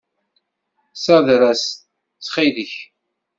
Ssader-as, ttxil-k.